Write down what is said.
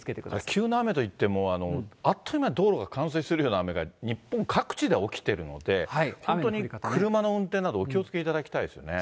急な雨といっても、あっという間に道路が冠水するような雨が日本各地で起きてるので、本当に車の運転などお気をつけいただきたいですよね。